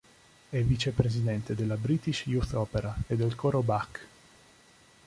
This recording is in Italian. È Vicepresidente della British Youth Opera e del Coro Bach.